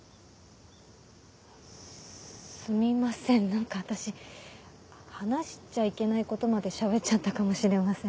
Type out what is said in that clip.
すみません何か私話しちゃいけないことまでしゃべっちゃったかもしれません。